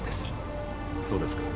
そうですか。